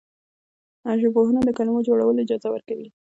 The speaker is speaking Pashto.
ژبپوهنه د کلمو جوړول اجازه ورکوي.